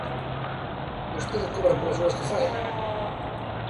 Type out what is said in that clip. ¿Vostede cobra polas horas que fai?